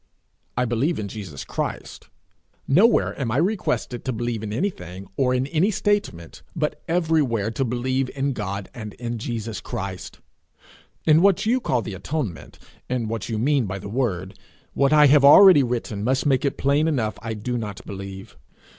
I believe in Jesus Christ. Nowhere am I requested to believe in any thing, or in any statement, but everywhere to believe in God and in Jesus Christ. In what you call the atonement, in what you mean by the word, what I have already written must make it plain enough I do not believe.